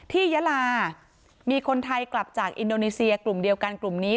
ยาลามีคนไทยกลับจากอินโดนีเซียกลุ่มเดียวกันกลุ่มนี้